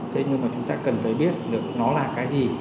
thế nhưng mà chúng ta cần phải biết được nó là cái gì